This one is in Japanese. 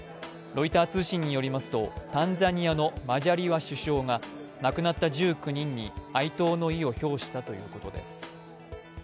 ロイター通信によりますと、タンザニアのマジャリワ首相が亡くなった１９人に哀悼の意を表したということです。